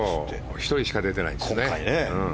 １人しか出てないんです。